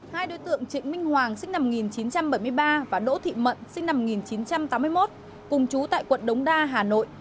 hai đối tượng trịnh minh hoàng sinh năm một nghìn chín trăm bảy mươi ba và đỗ thị mận sinh năm một nghìn chín trăm tám mươi một cùng chú tại quận đống đa hà nội